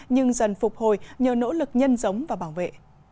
nhưng dần phục hồi nhờ nỗ lực nhân giống và bảo vệ